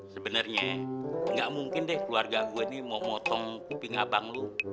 sebenernya gak mungkin deh keluarga gue nih mau motong kuping abang lo